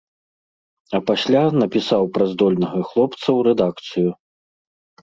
А пасля напісаў пра здольнага хлопца ў рэдакцыю.